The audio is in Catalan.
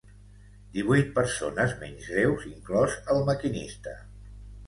Divuit persones menys greus, inclòs el maquinista.